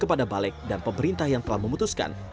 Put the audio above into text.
kepada balik dan pemerintah yang telah memutuskan